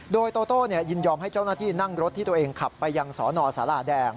โดยโตโต้ยินยอมให้เจ้าหน้าที่นั่งรถที่ตัวเองขับไปยังสนสาราแดง